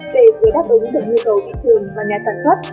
để vừa đáp ứng được nhu cầu thị trường và nhà sản xuất